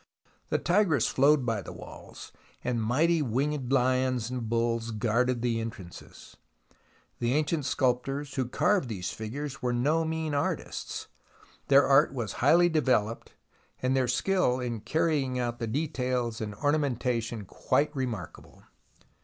The Tigris flowed by the walls, and mighty winged Hons and bulls guarded the entrances. The ancient sculptors who carved these figures were no mean artists. Their art was highly developed, and their skill in carrying out the details and ornamentation quite remarkable.